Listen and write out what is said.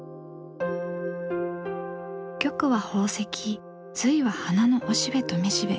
「玉」は宝石「蘂」は花のおしべとめしべ。